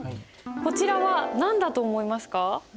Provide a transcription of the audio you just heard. こちらは何だと思いますか？